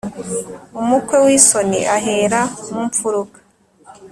Umukwe w’isoni ahera mu mfuruka.